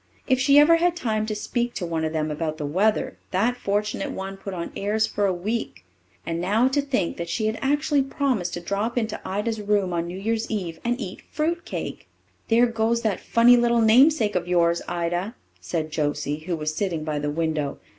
If she ever had time to speak to one of them about the weather, that fortunate one put on airs for a week. And now to think that she had actually promised to drop into Ida's room on New Year's Eve and eat fruit cake! "There goes that funny little namesake of yours, Ida," said Josie, who was sitting by the window.